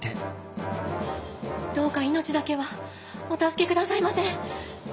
どうか命だけはお助け下さいませ。